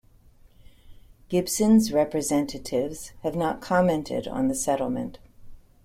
Gibson's representatives have not commented on the settlement.